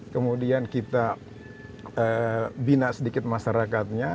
kemudian kita bina sedikit masyarakatnya